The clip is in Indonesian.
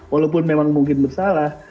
walaupun memang mungkin bersalah